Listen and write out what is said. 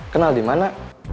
kenal di mana